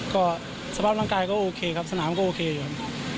ก็สภาพร่างกายก็โอเคครับสนามก็โอเคอยู่ครับ